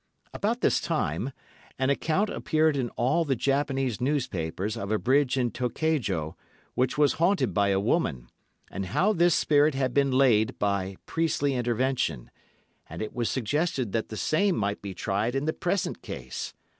About this time, an account appeared in all the Japanese newspapers of a bridge in Tokejo, which was haunted by a woman, and how this spirit had been laid by priestly intervention, and it was suggested that the same might be tried in the present case.